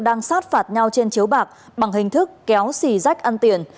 đang sát phạt nhau trên chiếu bạc bằng hình thức kéo xì rách ăn tiền